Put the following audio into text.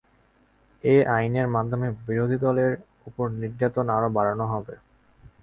এ আইনের মাধ্যমে বিরোধী দলের ওপর নির্যাতন আরও বাড়ানো হবে।